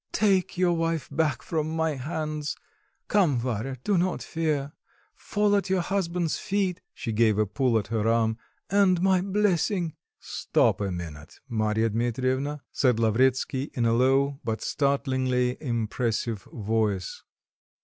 Take your wife back from my hands; come, Varya, do not fear, fall at your husband's feet (she gave a pull at her arm) and my blessing"... "Stop a minute, Marya Dmitrievna," said Lavretsky in a low but startlingly impressive voice.